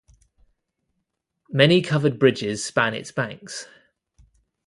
Many covered bridges span its banks.